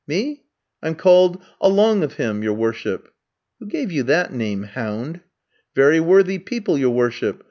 "'Me? I'm called Along of him, your worship.' "'Who gave you that name, hound?' "'Very worthy people, your worship.